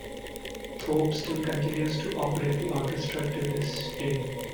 Thorpe still continues to operate the orchestra to this day.